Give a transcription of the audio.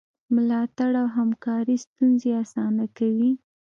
ملاتړ او همکاري ستونزې اسانه کوي.